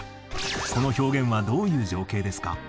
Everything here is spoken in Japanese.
この表現はどういう情景ですか？